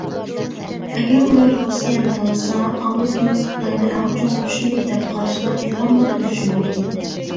ئەگەر ئۇلار رۇسىيەنى تاللىسا، ئامېرىكىنىڭ خىتاينى ئەڭ چوڭ دۈشمىنى دەپ قارىشىغا ئىلھاملاندۇرۇشى مۇمكىن.